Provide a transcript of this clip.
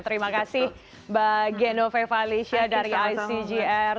terima kasih mbak genovae valisya dari icjr